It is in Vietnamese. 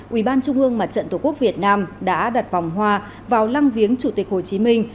ubnd mặt trận tổ quốc việt nam đã đặt vòng hoa vào lăng viếng chủ tịch hồ chí minh